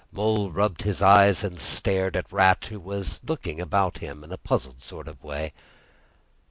Mole rubbed his eyes and stared at Rat, who was looking about him in a puzzled sort of way.